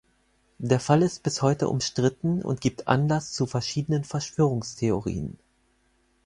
Der Fall ist bis heute umstritten und gibt Anlass zu verschiedenen Verschwörungstheorien.